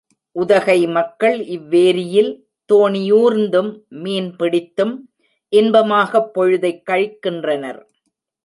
உதகை மக்கள் இவ்வேரியில் தோணியூர்ந்தும், மீன் பிடித்தும் இன்பமாகப் பொழுதைக் கழிக்கின்றனர்.